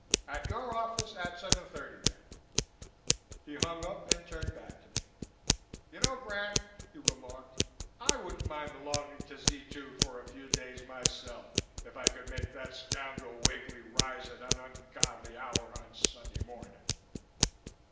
At your office at seven thirty, then." He hung up and turned back to me. "You know, Grant," he remarked, "I wouldn't mind belonging to Z 2 for a few days myself if I could make that scoundrel Wakely rise at an ungodly hour on Sunday morning."